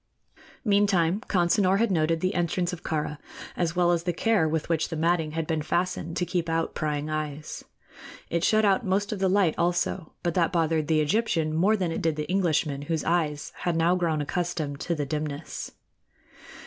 Meantime Consinor had noted the entrance of Kāra, as well as the care with which the matting had been fastened to keep out prying eyes. It shut out most of the light, also; but that bothered the Egyptian more than it did the Englishman, whose eyes had now grown accustomed to the dimness.